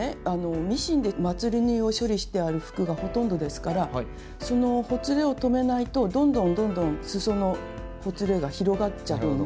ミシンでまつり縫いを処理してある服がほとんどですからそのほつれを止めないとどんどんどんどんすそのほつれが広がっちゃうんで。